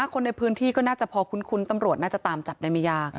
คนในพื้นที่ก็น่าจะพอคุ้นตำรวจน่าจะตามจับได้ไม่ยาก